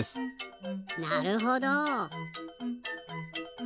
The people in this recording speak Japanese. なるほど。